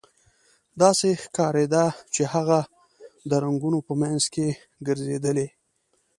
داسې ښکاریده چې هغه د رنګونو په مینځ کې ګرځیدلې